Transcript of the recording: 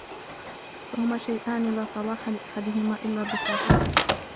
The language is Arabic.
فَهُمَا شَيْئَانِ لَا صَلَاحَ لِأَحَدِهِمَا إلَّا بِصَاحِبِهِ